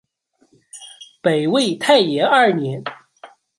北魏太延二年。